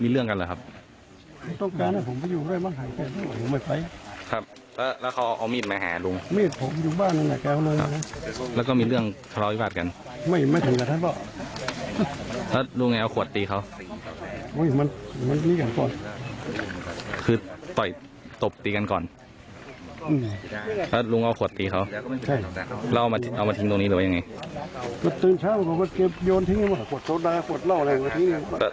แล้วลุงเอาขวดตีเขาแล้วเอามาทิ้งตรงนี้หรือเปล่ายังไง